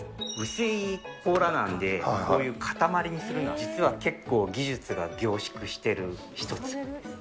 薄い甲羅なんで、こういう固まりにするのは、実は結構技術が凝縮してる一つなんです。